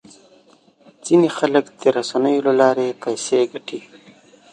ځینې خلک د رسنیو له لارې پیسې ګټي.